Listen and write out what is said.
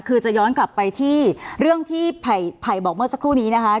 คือจะย้อนกลับไปที่เรื่องที่ไผ่บอกเมื่อสักครู่นี้นะคะ